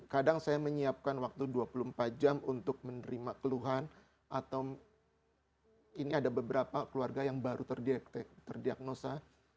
kadang saya menyiapkan waktu dua puluh empat jam untuk menerima keluhan atau ini ada beberapa keluarga yang baru terdiagnosa